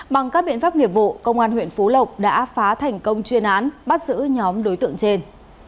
bằng các biện pháp nghiệp vụ công an huyện phú lộc đã phá thành công chuyên án bắt giữ nhóm đối tượng trên